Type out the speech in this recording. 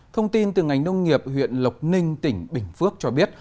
thông tin từ ngành nông nghiệp huyện lộc ninh tỉnh bình phước cho biết